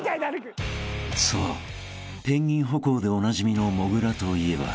［そうペンギン歩行でおなじみのもぐらといえば］